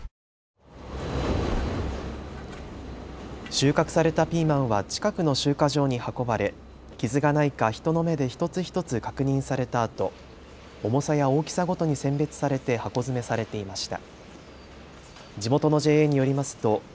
収穫されたピーマンは近くの集荷場に運ばれ傷がないか人の目で一つ一つ確認されたあと、重さや大きさごとに選別されて箱詰めされていました。